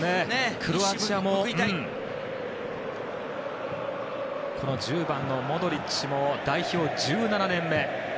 クロアチア１０番のモドリッチも代表１７年目。